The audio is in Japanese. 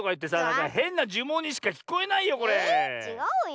えちがうよ。